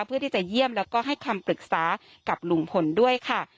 เพื่อที่จะเยี่ยมแล้วก็ให้คำปรึกษากับลุงพลด้วยค่ะ